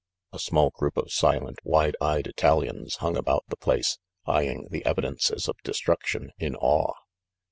A small group of silent wide eyed Italians hung about the place, eying the evidences of destruc tion in awe.